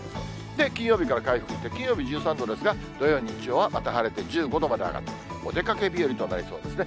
で、金曜日から回復して金曜日１３度ですが、土曜、日曜はまた晴れて、１５度まで上がる、お出かけ日和となりそうですね。